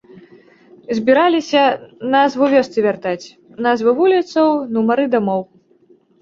Збіраліся назву вёсцы вяртаць, назвы вуліцаў, нумары дамоў.